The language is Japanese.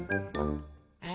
え？